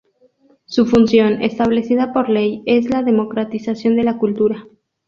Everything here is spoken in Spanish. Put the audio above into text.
Su función, establecida por ley, es la democratización de la cultura.